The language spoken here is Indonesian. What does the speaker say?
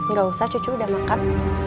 nggak usah cucu udah makan